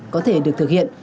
có thể được thực hiện